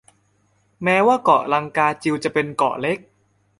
แม้ว่าเกาะลังกาจิวจะเป็นเกาะเล็ก